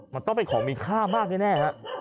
มันต้องเป็นของมีค่ามากแน่ฮะ